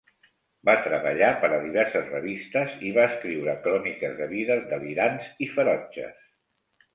Va treballar per a diverses revistes i va escriure cròniques de vides delirants i ferotges.